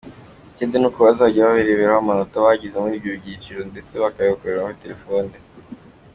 Ikindi nuko bazajya bareberaho amanota bagize muri buri cyiciro, ndetse bakayoherezwa kuri telefoni.